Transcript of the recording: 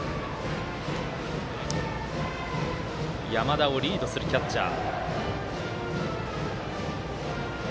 山田をリードするキャッチャー。